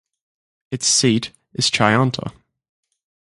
Its seat is Chayanta.